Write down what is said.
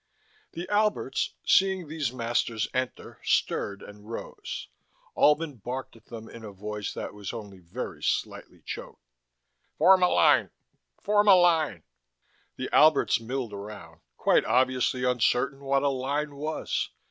The Alberts, seeing these masters enter stirred and rose. Albin barked at them in a voice that was only very slightly choked: "Form a line. Form a line." The Alberts milled around, quite obviously uncertain what a line was.